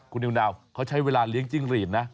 คุณนิวนาวเขาใช้เวลาเลี้ยงจิ้งหรีดนะ